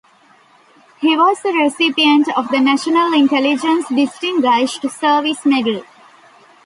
He was a recipient of the National Intelligence Distinguished Service Medal.